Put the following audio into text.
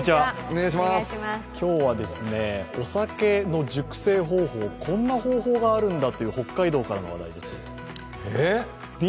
今日はお酒の熟成方法、こんな方法があるんだという北海道からの話題です。